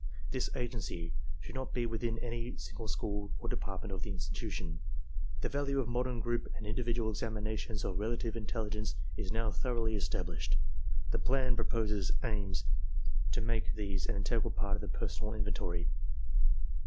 This agency should not be within any single school or department of the institution. The value of modern group and individual examinations of relative intelligence is now thoroughly established. The plan proposed aims to make these an integral part of the personnel inventory.